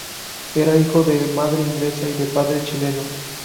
Era hijo de madre inglesa y de padre chileno.